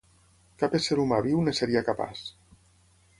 Cap ésser humà viu en seria capaç.